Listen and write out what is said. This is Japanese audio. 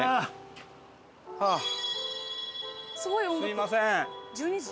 すみません！